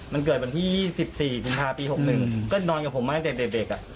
มันเกิดบันที่๒๔ศิลปาศาสตร์ปี๖๑ก็นอนกับผมมาห้ี่เฉศเลย